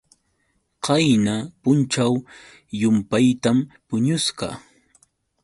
Qayna punćhaw llumpaytam puñusqa.